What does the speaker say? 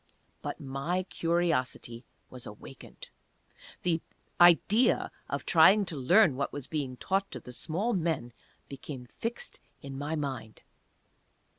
But my curiosity was awakened. The idea of trying to learn what was being taught to the small men became fixed in my mind.